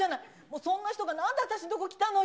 そんな人がなんで私の所に来たのよ？